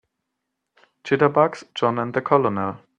Jitterbugs JOHN and the COLONEL.